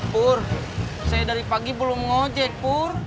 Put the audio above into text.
pur saya dari pagi belum ngojek pur